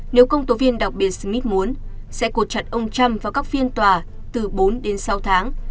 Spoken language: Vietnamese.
nếu công tố viên đặc biệt smith muốn sẽ cột chặn ông trump vào các phiên tòa từ bốn đến sáu tháng